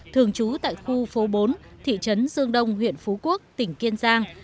thường trú tại khu phố bốn thị trấn dương đông huyện phú quốc tỉnh kiên giang